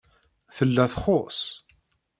Tella txuṣṣ.